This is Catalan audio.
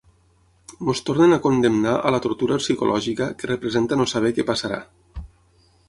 Ens tornen a condemnar a la tortura psicològica que representa no saber què passarà.